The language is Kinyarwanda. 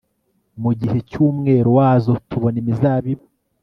Mu gihe cyumwero wazo tubona imizabibu